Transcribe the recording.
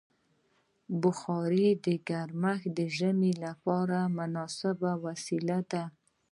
د بخارۍ ګرمښت د ژمي لپاره مناسبه وسیله ده.